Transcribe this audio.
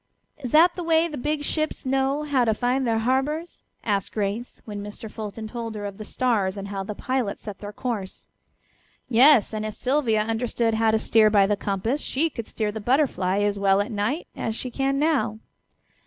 "Is that the way the big ships know how to find their harbors?" asked Grace, when Mr. Fulton told her of the stars, and how the pilots set their course. "Yes, and if Sylvia understood how to steer by the compass she could steer the Butterfly as well at night as she can now."